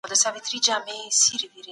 زبرځواکونه څنګه د نړۍ په سياست اغېز شيندي؟